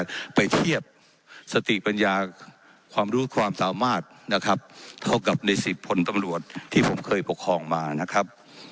ไปเทียบสติปัญญาความรู้ความสามารถนะครับเท่ากับในสิบพลตำรวจที่ผมเคยปกครองมานะครับ